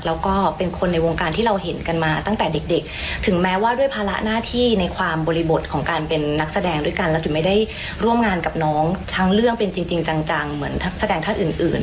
แล้วก็เป็นคนในวงการที่เราเห็นกันมาตั้งแต่เด็กเด็กถึงแม้ว่าด้วยภาระหน้าที่ในความบริบทของการเป็นนักแสดงด้วยกันแล้วจุ๋ยไม่ได้ร่วมงานกับน้องทั้งเรื่องเป็นจริงจังเหมือนนักแสดงท่านอื่นอื่น